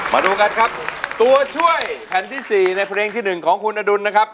มาดูกันครับตัวช่วยแผ่นที่๔ในเพลงที่๑ของคุณอดุลนะครับ